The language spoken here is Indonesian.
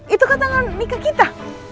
itu katakan nikah kita